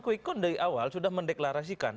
quick count dari awal sudah mendeklarasikan